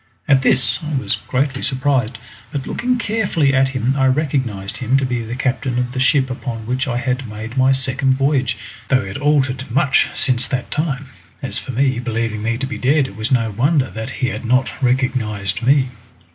At this I was greatly surprised, but looking carefully at him I recognised him to be the captain of the ship upon which I had made my second voyage, though he had altered much since that time. As for him, believing me to be dead it was no wonder that he had not recognised me.